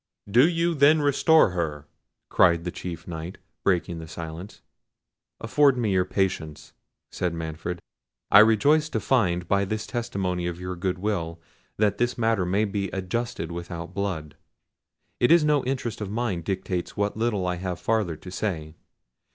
"Do you then restore her?" cried the chief Knight, breaking silence. "Afford me your patience," said Manfred. "I rejoice to find, by this testimony of your goodwill, that this matter may be adjusted without blood. It is no interest of mine dictates what little I have farther to say.